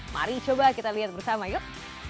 mari coba kita lihat bersama yuk